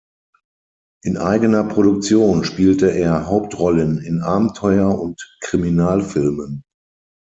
In eigener Produktion spielte er Hauptrollen in Abenteuer- und Kriminalfilmen.